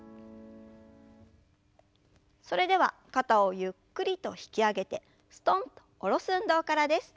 それでは肩をゆっくりと引き上げてすとんと下ろす運動からです。